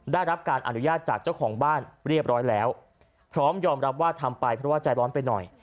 ได้รับการอนุญาตจากเจ้าของบ้านเรียบร้อยแล้วพร้อมยอมรับว่าทำไปเพราะว่าใจร้อนไปหน่อย